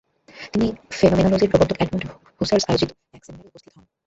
তিনি ফেনোমেনোলজির প্রবর্তক এডমুন্ড হুসার্ল আয়োজিত এক সেমিনারে উপস্থিত হন।